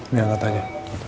nih angkat aja